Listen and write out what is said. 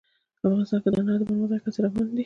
افغانستان کې د انار د پرمختګ هڅې روانې دي.